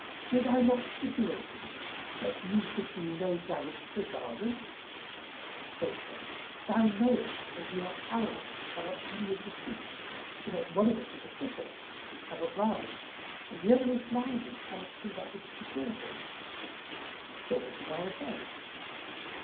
Did I not stipulate with you that ye should do no damage in the garden?" Quoth they, "Thou knowest that we are powerless to come at any of the fruit, for that one of us is a cripple and cannot rise and the other is blind and cannot see that which is before him: so what is our offence?"